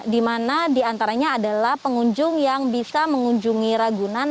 di mana diantaranya adalah pengunjung yang bisa mengunjungi ragunan